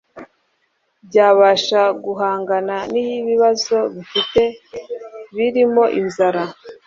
byabasha guhangana n’ibibazo bifite birimo inzara